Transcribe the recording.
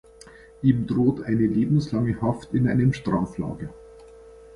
Ihm droht eine lebenslange Haft in einem Straflager.